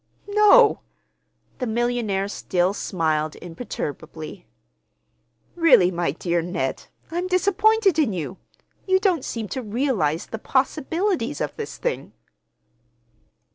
"No." The millionaire still smiled imperturbably. "Really, my dear Ned, I'm disappointed in you. You don't seem to realize the possibilities of this thing."